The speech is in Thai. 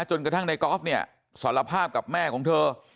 กระทั่งในกอล์ฟเนี่ยสารภาพกับแม่ของเธอ